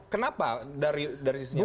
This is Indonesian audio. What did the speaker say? kenapa dari sisinya pak jokowi